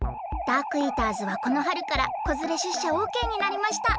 ダークイーターズはこのはるからこづれしゅっしゃオーケーになりました。